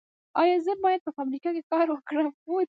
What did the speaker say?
ایا زه باید په فابریکه کې کار وکړم؟